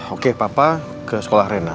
oke papa ke sekolah rena